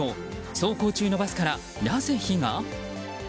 走行中のバスから、なぜ火が？